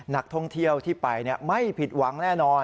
นักท่องเที่ยวที่ไปไม่ผิดหวังแน่นอน